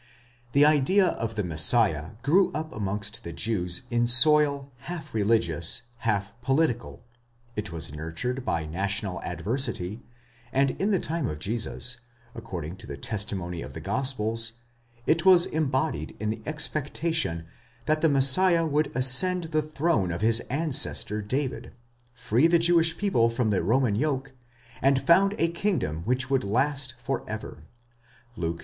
The idea of the Messiah grew up amongst the Jews in soil half religious, half political : it was nurtured by national adversity, and in the time of Jesus, according to the testimony of the gospels, it was embodied in the expectation that the Messiah would ascend the throne of his ancestor David, free the Jewish people from the Roman yoke, and found a kingdom which would last for ever (Luke i.